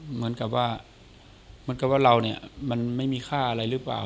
เหมือนกับว่าเราเนี่ยมันไม่มีค่าอะไรรึเปล่า